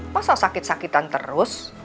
masa sakit sakitan terus